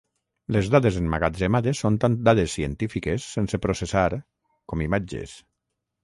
Les dades emmagatzemades són tant dades científiques sense processar, com imatges.